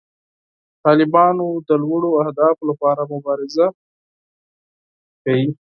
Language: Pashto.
طالبانو د لوړو اهدافو لپاره مبارزه کړې.